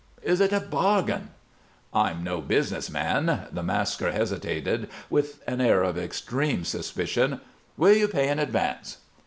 "Is it a bargain?" "I'm no business man." The masker hesitated with an air of extreme suspicion. "Will you pay in advance?"